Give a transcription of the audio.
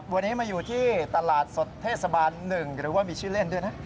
วันนี้มาอยู่ที่ตลาดสดเทศบาล๑หรือว่ามีชื่อเล่นด้วยนะ